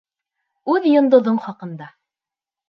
— Үҙ йондоҙоң хаҡында.